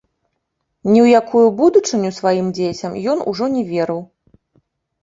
Ні ў якую будучыню сваім дзецям ён ужо не верыў.